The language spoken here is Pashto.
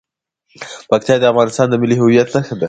پکتیکا د افغانستان د ملي هویت نښه ده.